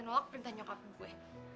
nolak perintah nyokap gue